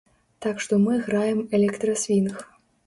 Так што мы граем электрасвінг.